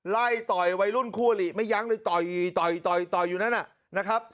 ไล่ต่อยวัยรุ่นคู่อลิไม่ยั้งเลยต่อยอยู่นั่นนะครับ